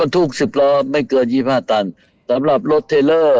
ต่อไปรถ